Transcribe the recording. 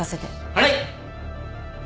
はい！